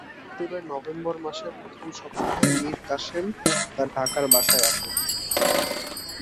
একাত্তরের নভেম্বর মাসের প্রথম সপ্তাহে মীর কাসেম তাঁর ঢাকার বাসায় আসেন।